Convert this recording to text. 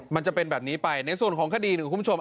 มันจะเป็นแบบนี้ไปในส่วนของคดีหนึ่งคุณผู้ชม